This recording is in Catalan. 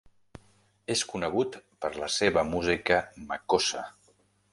És conegut per la seva música makossa.